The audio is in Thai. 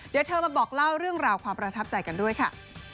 เดี๋ยวเธอมาบอกเล่าเรื่องราวความประทับใจกันด้วยค่ะ